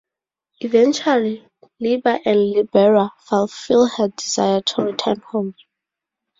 Eventually Liber and Libera fulfill her desire to return home.